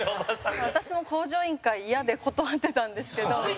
私も『向上委員会』イヤで断ってたんですけど。